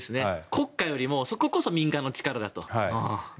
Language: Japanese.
国家よりもそここそ民間の力だと。